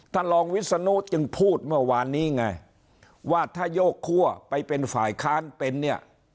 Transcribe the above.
ท่านรองวิศนุจึงพูดเมื่อวานนี้ไงว่าถ้าโยกคั่วไปเป็นฝ่ายค้านเป็นเนี่ย